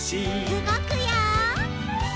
うごくよ！